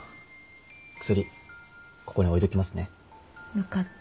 分かった。